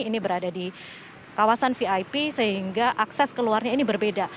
ini berada di kawasan vip sehingga akses keluarnya ini berbeda